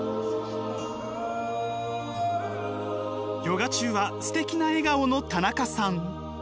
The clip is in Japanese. ヨガ中はすてきな笑顔の田中さん。